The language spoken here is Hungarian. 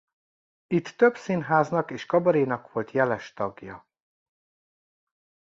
Itt több színháznak és kabarénak volt jeles tagja.